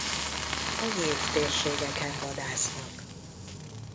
A nyílt térségeken vadásznak.